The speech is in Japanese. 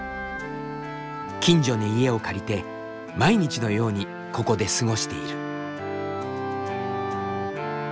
近所に家を借りて毎日のようにここで過ごしている。